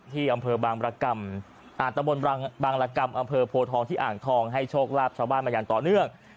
ที่อำเภอบางบรกรรมตะบนบางรกรรมอำเภอโพทองที่อ่างทองให้โชคลาภชาวบ้านมาอย่างต่อเนื่อง